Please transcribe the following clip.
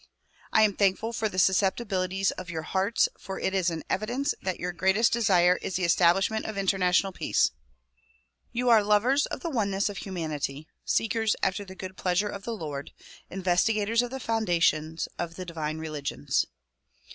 I am thankful for the susceptibilities of your hearts for it is an evidence that your greatest desire is the establishment of international peace. You are lovers of the oneness of humanity, seekers after the good pleasure of the Lord, investigators of the foundations of the divine religions.